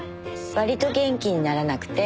割と元気にならなくて。